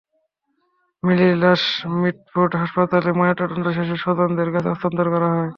মিলির লাশ মিটফোর্ড হাসপাতালে ময়নাতদন্ত শেষে স্বজনদের কাছে হস্তান্তর করা হয়।